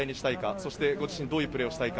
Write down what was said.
そしてご自身どういうプレーをしたいか。